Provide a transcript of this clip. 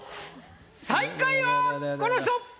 最下位はこの人！